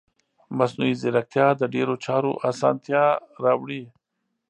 مصنوعي ځیرکتیا د ډیرو چارو اسانتیا راوړي.